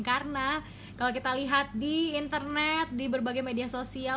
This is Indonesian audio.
karena kalau kita lihat di internet di berbagai media sosial